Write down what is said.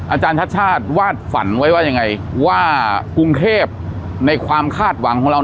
อาจารย์ชาติชาติวาดฝันไว้ว่ายังไงว่ากรุงเทพในความคาดหวังของเรา